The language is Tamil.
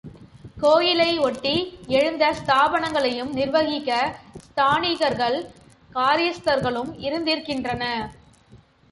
கோயிலை ஒட்டி எழுந்த ஸ்தாபனங்களையும் நிர்வகிக்க ஸ்தானிகர்கள், காரியஸ்தர்களும் இருந்திருக்கின்றனர்.